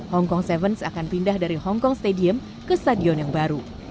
hongkong tujuh akan pindah dari hongkong stadium ke stadion yang baru